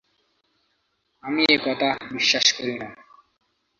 আমি এ-কথা বিশ্বাস করি না।